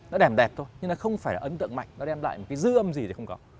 nó đẹp đẹp thôi nhưng nó không phải là ấn tượng mạnh nó đem lại một cái dư âm gì thì không có